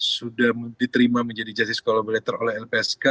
sudah diterima menjadi justice collaborator oleh lpsk